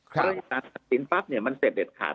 ได้การตัดสินปั๊บเนี่ยมันเสร็จเด็ดขาด